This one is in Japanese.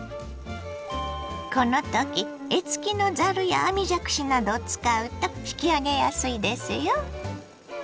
このとき柄付きのざるや網じゃくしなどを使うと引き上げやすいですよ。